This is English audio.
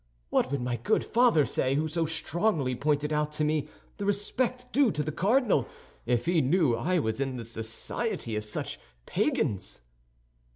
What would my good father say, who so strongly pointed out to me the respect due to the cardinal, if he knew I was in the society of such pagans?"